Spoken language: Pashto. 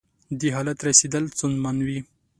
دې حالت رسېدل ستونزمن وي.